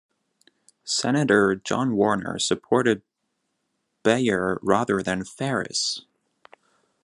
Senator John Warner supported Beyer rather than Farris.